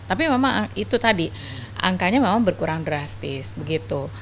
tapi memang itu tadi angkanya memang berkurang drastis begitu